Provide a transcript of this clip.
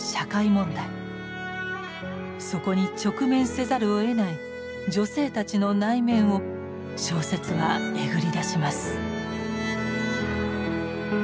そこに直面せざるをえない女性たちの内面を小説はえぐり出します。